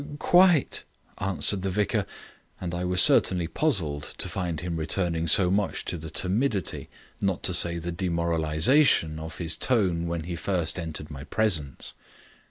"Quite," answered the vicar, and I was certainly puzzled to find him returning so much to the timidity, not to say the demoralization, of his tone when he first entered my presence.